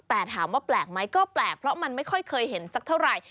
แต่ถามว่าแปลกไหมก็แปลกเพราะมันไม่ค่อยเคยเห็นสักเท่าไหร่